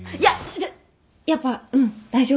やっぱうん大丈夫。